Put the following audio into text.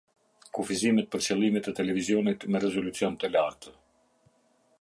Kufizimet për qëllime të televizionit me rezolucion të lartë.